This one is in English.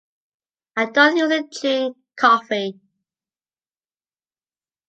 I don’t usually drink coffee.